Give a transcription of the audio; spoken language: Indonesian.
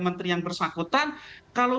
menteri yang bersahabatan kalau